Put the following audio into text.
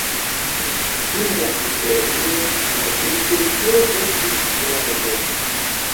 Dum la historio la vinkulturo estis grave.